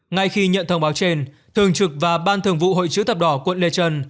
ngay khi nhận thông báo trên thường trực và ban thường vụ hội chữ thập đỏ quận lê trân